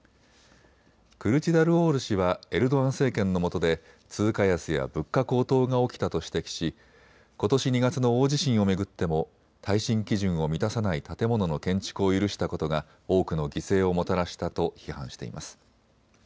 クルチダルオール氏はエルドアン政権のもとで通貨安や物価高騰が起きたと指摘しことし２月の大地震を巡っても耐震基準を満たさない建物の建築を許したことが多くの犠牲をもたらしたと批判しています。